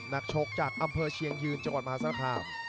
ชกจากอำเภอเชียงยืนจังหวัดมหาศาลคาม